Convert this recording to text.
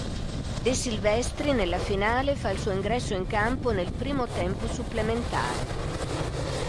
De Silvestri nella finale fa il suo ingresso in campo nel primo tempo supplementare.